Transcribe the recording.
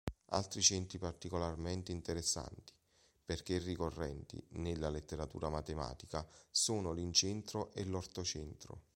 Altri centri particolarmente interessanti perché ricorrenti nella letteratura matematica sono l'incentro e l'ortocentro.